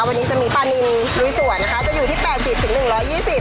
วันนี้จะมีปลานินลุยสวนนะคะจะอยู่ที่แปดสิบถึงหนึ่งร้อยยี่สิบ